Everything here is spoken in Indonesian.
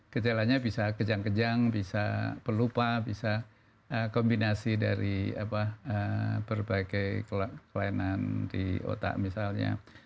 gejalanya bisa kejang kejang bisa pelupa bisa kombinasi dari berbagai kelainan di otak misalnya